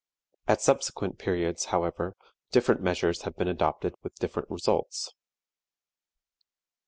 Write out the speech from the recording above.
At subsequent periods, however, different measures have been adopted with different results.